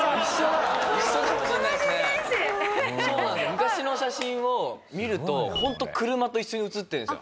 昔の写真を見るとホント車と一緒に写ってるんですよ。